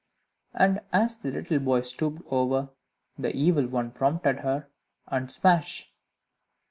And as the little boy stooped over, the Evil One prompted her, and smash!